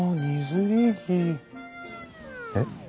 えっ？